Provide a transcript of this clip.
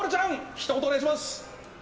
ひと言お願いします。